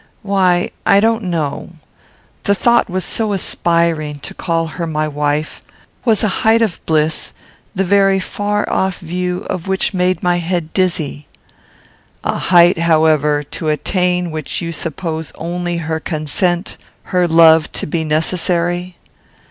"Why I don't know. The thought was so aspiring; to call her my wife was a height of bliss the very far off view of which made my head dizzy." "A height, however, to attain which you suppose only her consent, her love, to be necessary?"